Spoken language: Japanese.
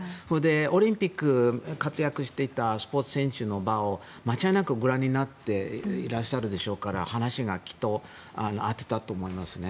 オリンピックで活躍していたスポーツ選手の場を間違いなくご覧になっていらっしゃるでしょうから話がきっと合ったと思いますね。